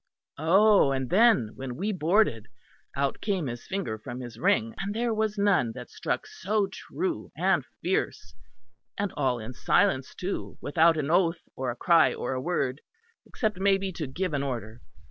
Oh! and then when we boarded, out came his finger from his ring; and there was none that struck so true and fierce; and all in silence too, without an oath or a cry or a word; except maybe to give an order.